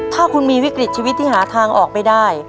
ถ้าคุณมีวิกฤตชีวิตที่หาทางออกไม่ได้